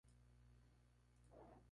Tiene ideas libertarias.